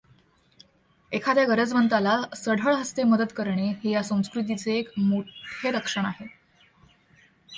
एखाद्या गरजवंताला सढळ हस्ते मदत करणे हे या संस्कृतीचे एक मोठे लक्षण आहे